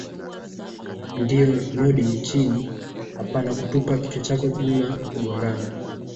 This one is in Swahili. Ndio nod chini hapana kutupa kichwa chako nyuma na kugongana